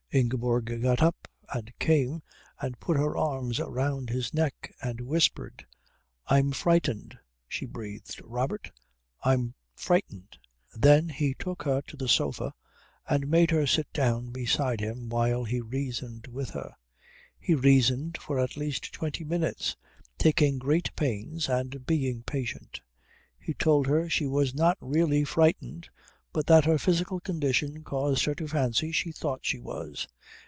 Ingeborg got up and came and put her arms round his neck and whispered. "I'm frightened," she breathed. "Robert, I'm frightened." Then he took her to the sofa, and made her sit down beside him while he reasoned with her. He reasoned for at least twenty minutes, taking great pains and being patient. He told her she was not really frightened, but that her physical condition caused her to fancy she thought she was.